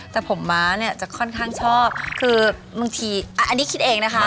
แต่ผมม้าเนี่ยจะค่อนข้างชอบคือบางทีอันนี้คิดเองนะคะ